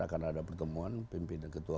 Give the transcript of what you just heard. akan ada pertemuan pimpin dan ketua